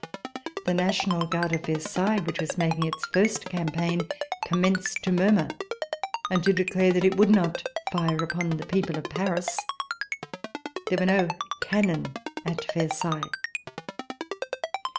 The National Guard of Versailles, which was making its first campaign, com menced to murmur and to declare that it would not fire upon the people of Paris. There were no cannon at Versailles.